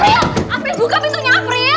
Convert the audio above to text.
apres buka pintunya april